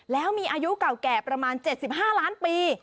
แล้วมีอายุเก่าแก่ประมาณ๗๕ล้านปี